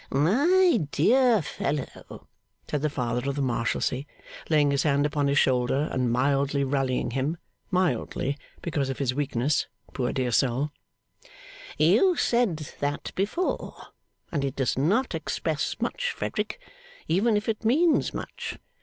'My dear fellow,' said the Father of the Marshalsea, laying his hand upon his shoulder, and mildly rallying him mildly, because of his weakness, poor dear soul; 'you said that before, and it does not express much, Frederick, even if it means much.